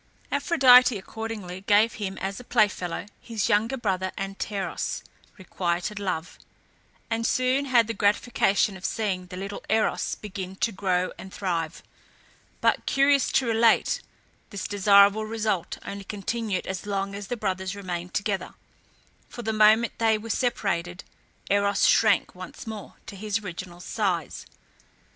Aphrodite accordingly gave him, as a playfellow, his younger brother Anteros (requited love), and soon had the gratification of seeing the little Eros begin to grow and thrive; but, curious to relate, this desirable result only continued as long as the brothers remained together, for the moment they were separated, Eros shrank once more to his original size.